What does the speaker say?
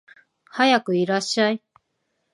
はやくいらっしゃい